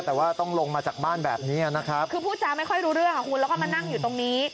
แต่ว่าต้องลงมาจากบ้านแบบนี้นะครับคือพูดจาไม่ค่อยรู้เรื่องค่ะคุณแล้วก็มานั่งอยู่ตรงนี้